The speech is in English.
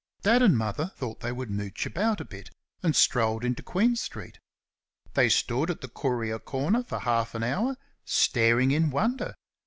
Dad and Mother thought they would "mooch about" a bit, and strolled into Queen street. They stood at the Courier corner for half an hour, staring in wonder.